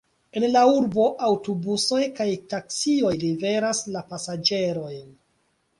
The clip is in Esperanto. En la urbo aŭtobusoj kaj taksioj liveras la pasaĝerojn.